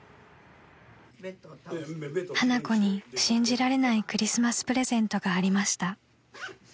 ［花子に信じられないクリスマスプレゼントがありました］